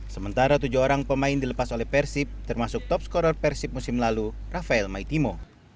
sementara tujuh orang pemain dilepas oleh persib termasuk top scorer persib musim lalu rafael maitimo